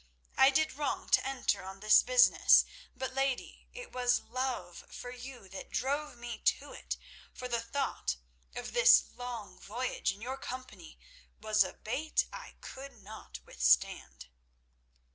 I did wrong to enter on this business; but lady, it was love for you that drove me to it, for the thought of this long voyage in your company was a bait I could not withstand."